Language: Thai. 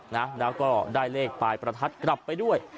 นะแล้วก็ได้เลขปลายประทัดกลับไปด้วย